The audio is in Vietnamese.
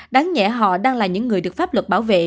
đáng nhẹ họ đang là những người được pháp luật bảo vệ